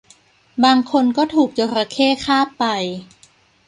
บางคนก็ถูกจระเข้คาบไป